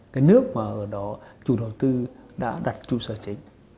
cái nước mà ở đó chủ đầu tư đã đặt trụ sở chính